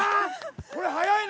これ速いね！